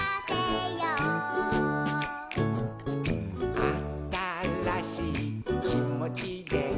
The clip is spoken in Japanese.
「あたらしいきもちで」